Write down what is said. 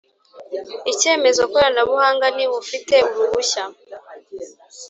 Icyemezo koranabuhanga ni ufite uruhushya